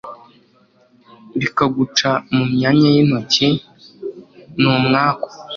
bikaguca mu myanya y'intoki. ni umwaku